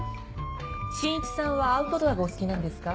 晋一さんはアウトドアがお好きなんですか？